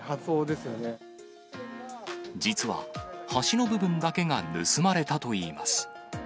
実は、端の部分だけが盗まれたといいます。